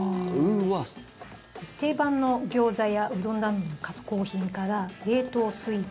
定番のギョーザやうどんなんかの加工品から冷凍スイーツ